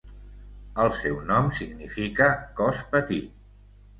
El seu nom significa 'cos petit'.